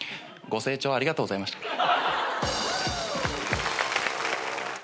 ご清聴ありがとうございました。